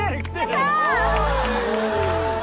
やった！